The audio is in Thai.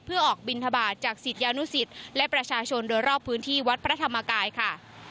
เพื่อออกบินทบาทจากศิษยานุสิตและประชาชนโดยรอบพื้นที่วัดพระธรรมกายค่ะ